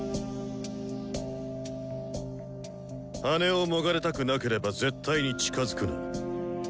羽をもがれたくなければ絶対に近づくな。